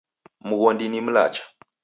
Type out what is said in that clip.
Mghondi ni mlacha.